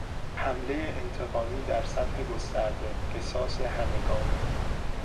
حمله انتقامی در سطح گسترده، قصاص همگانی